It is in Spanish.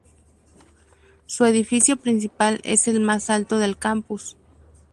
Su edificio principal es el más alto del campus.